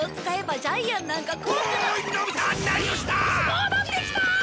戻ってきたー！